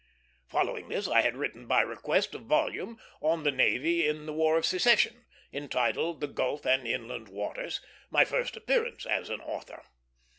Following this I had written by request a volume on the Navy in the War of Secession, entitled The Gulf and Inland Waters; my first appearance as an author.